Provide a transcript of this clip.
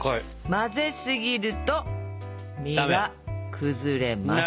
混ぜすぎると実が崩れます。